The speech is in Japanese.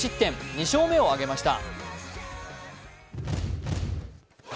２勝目を挙げました。